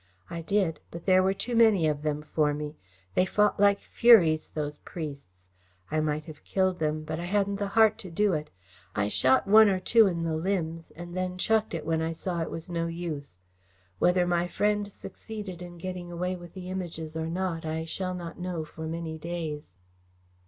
I did, but there were too many of them for me. They fought like furies, those priests. I might have killed them, but I hadn't the heart to do it. I shot one or two in the limbs, and then chucked it when I saw it was no use. Whether my friend succeeded in getting away with the Images or not, I shall not know for many days."